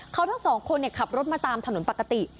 เขาทั้งสองคนขับรถมาตามถนนปกติ